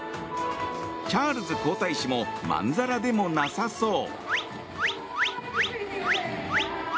チャールズ皇太子もまんざらでもなさそう。